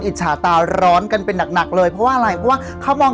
อิจฉาตาร้อนกันเป็นหนักเลยเพราะว่าอะไรเพราะว่าเขามอง